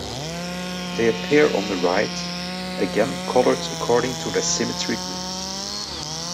They appear on the right, again coloured according to their symmetry groups.